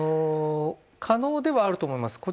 可能ではあると思います。